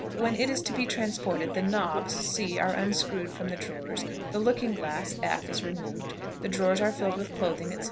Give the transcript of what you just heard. When it is to be transported, the knobs, c, are unscrewed from the drawers, the looking glass, f, is removed, the drawers are filled with clothing, etc.